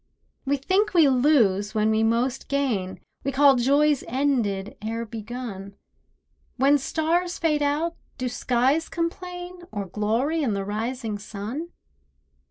We think we lose when we most gain; We call joys ended ere begun; When stars fade out do skies complain, Or glory in the rising sun?